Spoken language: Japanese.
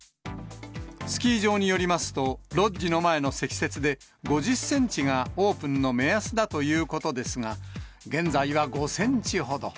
スキー場によりますと、ロッジの前の積雪で、５０センチがオープンの目安だということですが、現在は５センチほど。